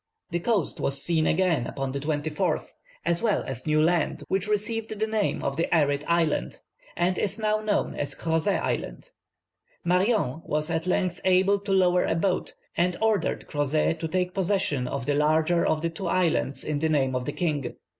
"This coast was seen again upon the 24th, as well as new land, which received the name of the Arid Island, and is now known as Crozet Island. Marion was at length able to lower a boat, and ordered Crozet to take possession of the larger of the two islands in the name of the king.